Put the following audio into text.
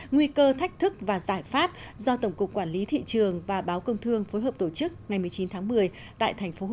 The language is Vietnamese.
nguy cơ thách thức và giải pháp do tổng cục quản lý thị trường và báo công thương phối hợp tổ chức ngày một mươi chín tháng một mươi tại tp hcm